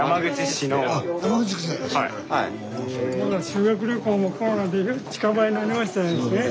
修学旅行もコロナで近場になりましたですね。